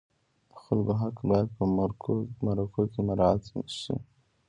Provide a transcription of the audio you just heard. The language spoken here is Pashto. د خلکو حق باید په مرکو کې مراعت شي.